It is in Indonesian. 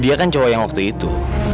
dia kan cowok yang waktu itu